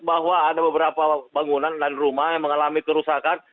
bahwa ada beberapa bangunan dan rumah yang mengalami kerusakan